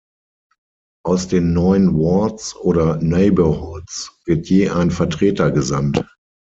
Aus den neun Wards oder Neighborhoods wird je ein Vertreter gesandt.